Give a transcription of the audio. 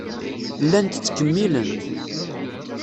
Llant ttkemmilent.